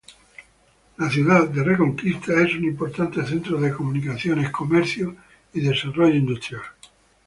La ciudad de Reconquista es un importante centro de comunicaciones, comercio y desarrollo industrial.